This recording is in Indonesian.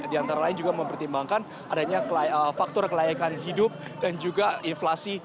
dan juga mempertimbangkan adanya faktor kelayakan hidup dan juga inflasi